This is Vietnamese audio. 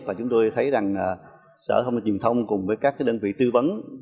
và chúng tôi thấy rằng sở thông minh truyền thông cùng với các đơn vị tư vấn